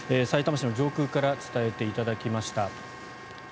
さいたま市の上空から伝えていただきました。